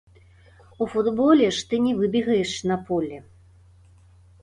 У футболе ж ты не выбегаеш на поле.